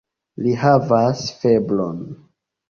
Li havas febron.